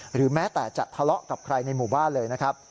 หรือแม้แต่จะทะเลาะกับใครในหมู่บ้านเลยนะครับ